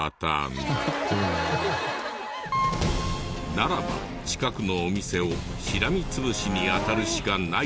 ならば近くのお店をしらみつぶしにあたるしかない。